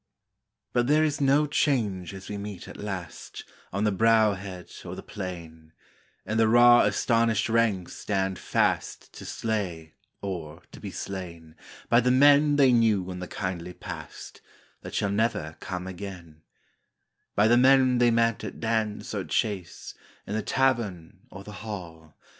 But there is no change as we meet at last On the brow head or the plain, And the raw astonished ranks stand fast To slay or to be slain By the men they knew in the kindly past That shall never come again — By the men they met at dance or chase, In the tavern or the hall.